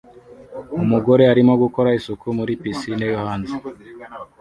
Umugore arimo gukora isuku muri pisine yo hanze